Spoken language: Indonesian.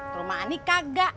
ke rumah ani kagak